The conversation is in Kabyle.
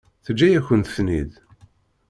Teǧǧa-yakent-ten-id.